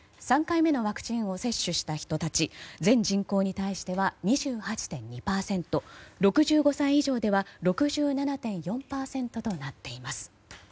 ３回目のワクチンを接種した人たち全人口に対しては２８．２％６５歳以上では６７．４％となっています。